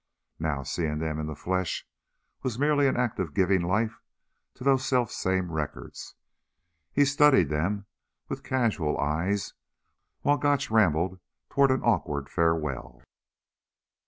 Now, seeing them in the flesh, was merely an act of giving life to those selfsame records. He studied them with casual eyes while Gotch rambled toward an awkward farewell.